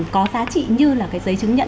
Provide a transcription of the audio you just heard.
có giá trị như là cái giấy chứng nhận